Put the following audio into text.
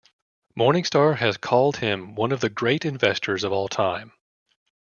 Morningstar has called him "one of the great investors of all time".